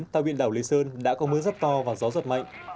tàu biện đảo lê sơn đã có mưa rất to và gió rất mạnh